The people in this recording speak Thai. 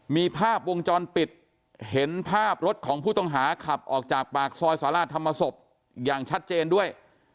มีภาพวงจรปิดเห็นภาพรถของผู้ต้องหาขับออกจากปากซอยสาราธรรมศพอย่างชัดเจนด้วย